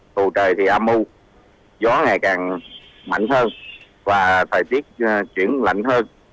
tù trời ấm mưu gió ngày càng mạnh hơn và thời tiết chuyển lạnh hơn